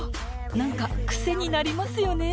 なんかクセになりますよね